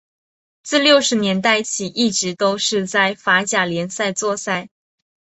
自六十年代起一直都是在法甲联赛作赛。